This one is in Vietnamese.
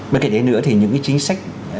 bên cạnh đấy nữa thì những cái chính sách